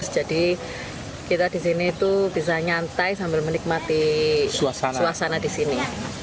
jadi kita disini bisa nyantai sambil menikmati suasana disini